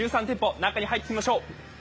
中に入ってみましょう。